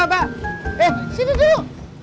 eh mbak sini dulu